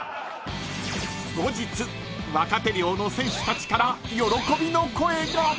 ［後日若手寮の選手たちから喜びの声が］